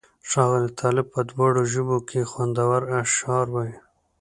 ښاغلی طالب په دواړو ژبو کې خوندور اشعار وایي.